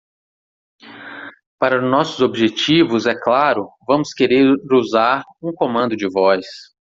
Para nossos objetivos,?, é claro,?, vamos querer usar um comando de voz.